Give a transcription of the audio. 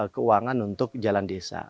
dan juga bantuan untuk jalan jalan selatan